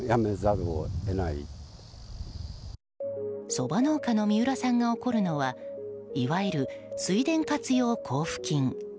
ソバ農家の三浦さんが怒るのはいわゆる水田活用交付金。